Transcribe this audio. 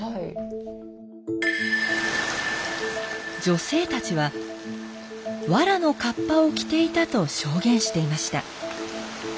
女性たちはわらのカッパを着ていたと証言していました。